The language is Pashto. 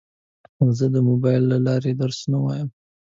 زه د موبایل له لارې درسونه وایم.